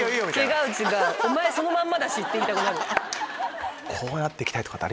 違う違うおまえそのまんまだしって言いたくなる。